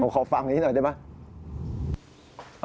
ขอฟังนี้หน่อยได้ไหม